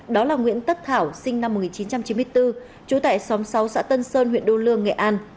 đó là nguyễn tất thảo sinh năm một nghìn chín trăm chín mươi bốn trú tại xóm sáu xã tân sơn huyện đô lương nghệ an